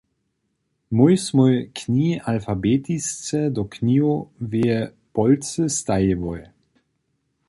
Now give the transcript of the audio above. Mój smój knihi alfabetisce do knihoweje polcy stajiłoj.